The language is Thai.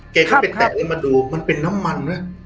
แกเข้าไปแตะเลยมาดูมันเป็นน้ำมันนะ